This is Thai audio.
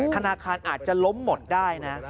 ธนาคารอาจจะล้มหมดได้นะ